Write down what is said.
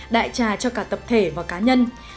đại trà cho cả tập thể và cá nhân